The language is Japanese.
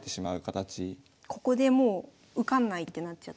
ここでもう受かんないってなっちゃってる。